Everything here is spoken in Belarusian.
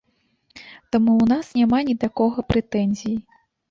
Таму ў нас няма ні да кога прэтэнзій.